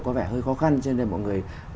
có vẻ hơi khó khăn cho nên mọi người